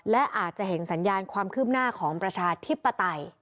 และอาจจะเห็นสัญญาณความคืบหน้าของประชาธิปไตย